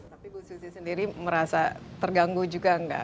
tapi bu susi sendiri merasa terganggu juga enggak